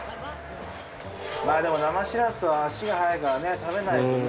生しらすは足がはやいからね食べないとね。